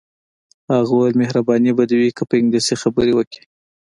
هغه وویل مهرباني به دې وي که په انګلیسي خبرې وکړې.